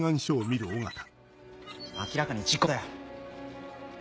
明らかに事故だよ。